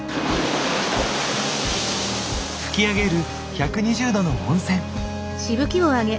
噴き上げる１２０℃の温泉。